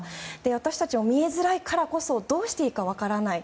私たちも見えづらいからこそどうしていいか分からない。